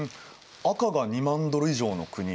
赤が２万ドル以上の国。